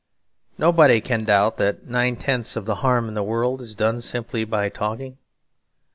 Nobody can doubt that nine tenths of the harm in the world is done simply by talking.